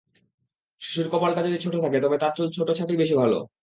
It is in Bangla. শিশুর কপালটা যদি ছোট থাকে তবে তার চুলে ছোট ছাঁটই বেশি ভালো।